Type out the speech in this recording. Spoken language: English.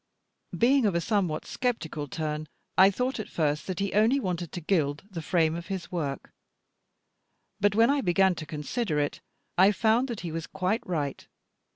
Being of a somewhat sceptical turn, I thought at first that he only wanted to gild the frame of his work; but when I began to consider it, I found that he was quite right.